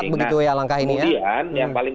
begitu ya langkah ini ya yang paling